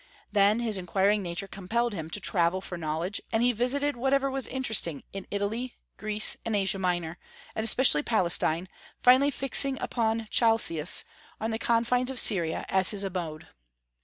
Then his inquiring nature compelled him to travel for knowledge, and he visited whatever was interesting in Italy, Greece, and Asia Minor, and especially Palestine, finally fixing upon Chalcis, on the confines of Syria, as his abode.